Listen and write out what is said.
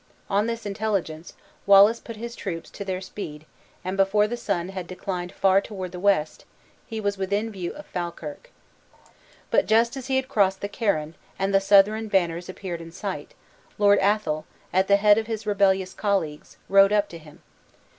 On this intelligence, Wallace put his troops to their speed and before the sun had declined far toward the west, he was within view of Falkirk. But just as he had crossed the Carron, and the Southron banners appeared in sight, Lord Athol, at the head of his rebellious colleagues, rode up to him.